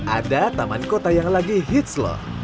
ada taman kota yang lagi hits loh